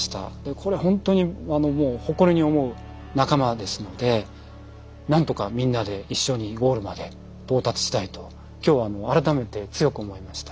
これ本当に誇りに思う仲間ですので何とかみんなで一緒にゴールまで到達したいと今日は改めて強く思いました。